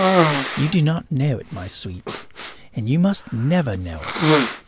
You do not know it, my sweet, and you must never know it.